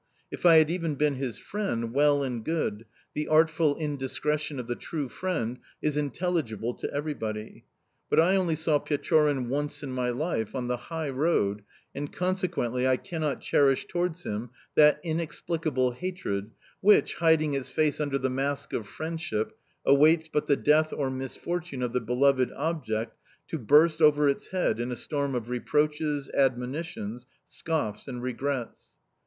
If I had even been his friend, well and good: the artful indiscretion of the true friend is intelligible to everybody; but I only saw Pechorin once in my life on the high road and, consequently, I cannot cherish towards him that inexplicable hatred, which, hiding its face under the mask of friendship, awaits but the death or misfortune of the beloved object to burst over its head in a storm of reproaches, admonitions, scoffs and regrets.